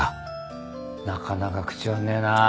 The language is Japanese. なかなか口割んねえな。